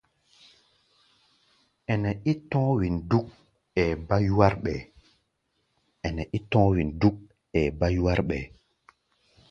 Ɛnɛ é tɔ̧́ɔ̧́ wen dúk, ɛɛ bá yúwár ɓɛɛ́.